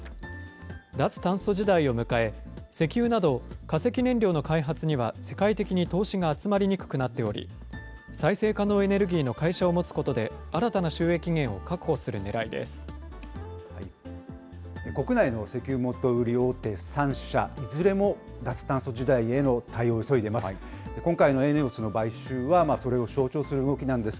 脱炭素時代を迎え、石油など化石燃料の開発には、世界的に投資が集まりにくくなっており、再生可能エネルギーの会社を持つことで、新たな収益源を確保する国内の石油元売り大手３社、いずれも脱炭素時代への対応を急いでいます。